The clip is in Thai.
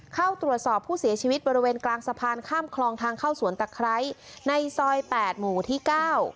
เข้าตรวจสอบผู้เสียชีวิตบริเวณกลางสะพานข้ามคลองทางเข้าสวนตะไคร้ในซอยแปดหมู่ที่เก้า